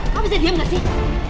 kamu bisa diem gak sih